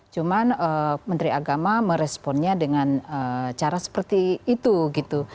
cuman menteri agama meresponnya dengan cara seperti itu gitu